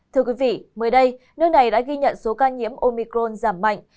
thưa quý vị mới đây nước này đã ghi nhận số ca nhiễm omicron giảm mạnh